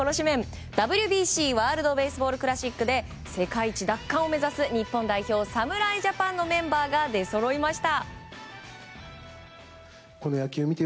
ＷＢＣ・ワールド・ベースボール・クラシックで世界一奪還を目指す日本代表の侍ジャパンのメンバーが出そろいました。